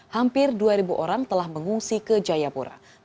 hampir dua orang telah mengungsi ke jayapura